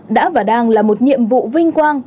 đã và đang là một nhiệm vụ vinh quang